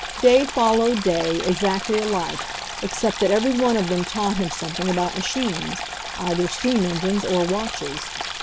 Day followed day, exactly alike, except that every one of them taught him something about machines — either steam engines or watches.